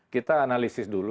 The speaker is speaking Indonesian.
kita analisis dulu